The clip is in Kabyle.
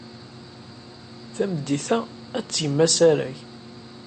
Tameddit-a, ad d-tgem asarag.